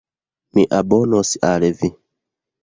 Mi abonos al vi